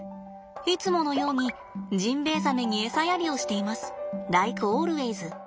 いつものようにジンベエザメにエサやりをしています。